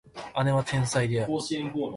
姉は天才である